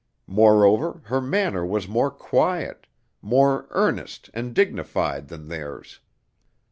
Moreover, her manner was more quiet, more earnest and dignified than theirs.